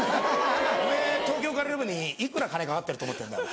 「おめぇ東京から呼ぶのにいくら金かかってると思ってんだ。